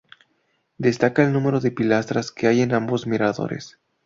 Destaca el número de pilastras que hay en ambos miradores.